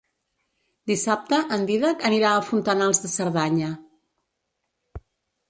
Dissabte en Dídac anirà a Fontanals de Cerdanya.